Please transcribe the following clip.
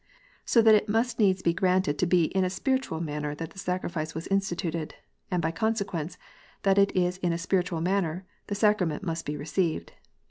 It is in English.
So that it must needs be granted to be in a spiritual manner that the Sacrament was instituted, and by consequence that it is in a spiritual manner the sacrament must be received.